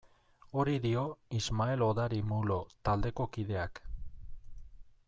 Hori dio Ismael Odari Mulo taldeko kideak.